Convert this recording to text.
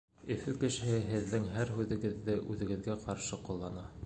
Өфө кешеһе һеҙҙең һәр һүҙегеҙҙе үҙегеҙгә ҡаршы ҡуллана.